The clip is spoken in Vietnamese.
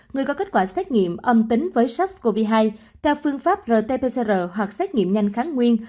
người có kết quả xét nghiệm âm tính với sars cov hai theo phương pháp rt pcr hoặc xét nghiệm nhanh kháng nguyên